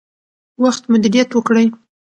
وخت مدیریت کړئ.